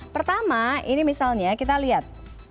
pertama ini misalnya kita lihat